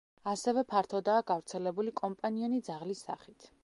ასევე, ფართოდაა გავრცელებული კომპანიონი ძაღლის სახით.